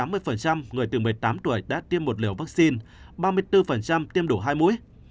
một liều vaccine ba mươi bốn tiêm đủ hai mũi